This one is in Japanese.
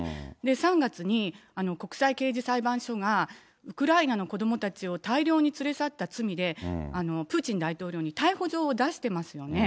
３月に国際刑事裁判所が、ウクライナの子どもたちを大量に連れ去った罪で、プーチン大統領に逮捕状を出してますよね。